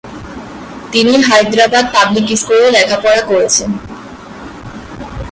তিনি হায়দরাবাদ পাবলিক স্কুলে লেখাপড়া করেছেন।